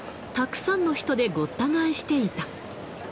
たくさんの人でごった返していた。